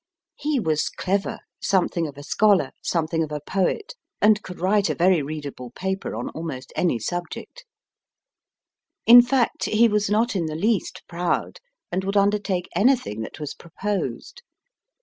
He was clever, something of a scholar, something of a poet, and could write a very readable paper on almost any subject. In fact, he was not in the least proud, and would under take anything that was proposed.